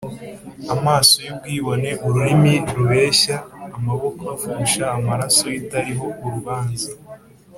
amaso y’ubwibone, ururimi rubeshya, amaboko avusha amaraso y’utariho urubanza,